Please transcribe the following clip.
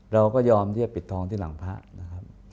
เราก็ยอมที่จะปิดทองที่หลังพระนะครับ